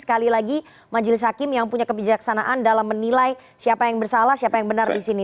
sekali lagi majelis hakim yang punya kebijaksanaan dalam menilai siapa yang bersalah siapa yang benar di sini